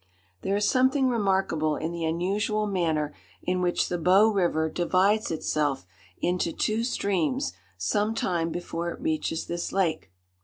There is something remarkable in the unusual manner in which the Bow River divides itself into two streams some time before it reaches this lake.